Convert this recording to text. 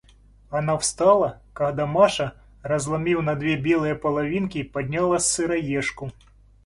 Она встала, когда Маша, разломив на две белые половинки, подняла сыроежку.